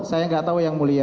saya nggak tahu yang mulia